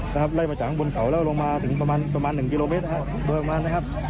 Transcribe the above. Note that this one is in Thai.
นะครับไล่มาจากบนเขาแล้วลงมาตรงประมาณ๑กิมเลเมตรนะครับ